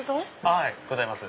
はいございます。